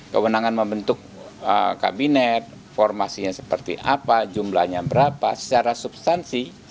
kewenangan membentuk kabinet formasinya seperti apa jumlahnya berapa secara substansi